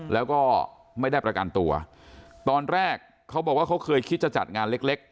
แล้วก็ไม่ได้ประกันตัวตอนแรกเขาบอกว่าเขาเคยคิดจะจัดงานเล็กเล็ก